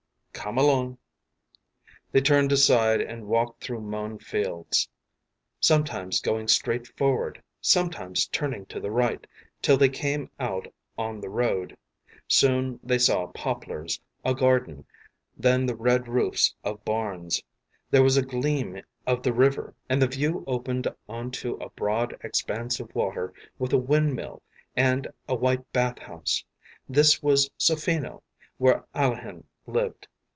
” “Come along.” They turned aside and walked through mown fields, sometimes going straight forward, sometimes turning to the right, till they came out on the road. Soon they saw poplars, a garden, then the red roofs of barns; there was a gleam of the river, and the view opened on to a broad expanse of water with a windmill and a white bath house: this was Sofino, where Alehin lived.